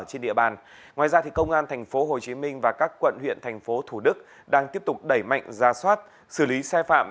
trên địa bàn ngoài ra công an tp hcm và các quận huyện tp thủ đức đang tiếp tục đẩy mạnh ra soát xử lý xe phạm